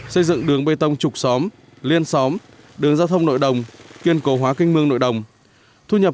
xây dựng đường bê tông trục xóm